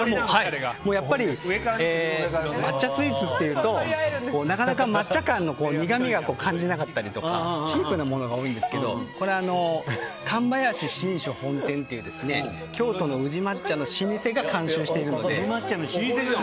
やっぱり抹茶スイーツというとなかなか抹茶感の苦みが感じなかったりとかチープなものが多いんですけどこれは上林春松本店という京都の宇治抹茶の老舗が監修しているので。